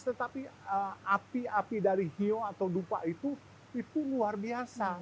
tetapi api api dari hio atau dupa itu itu luar biasa